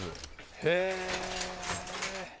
へえ。